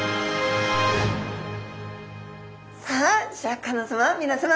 さあシャーク香音さま